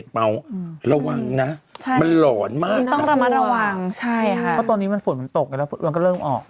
เพราะตอนนี้มันฝนมันตกกันแล้วมันก็เริ่มออก